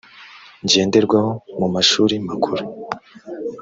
ngenderwaho mu mashuri makuru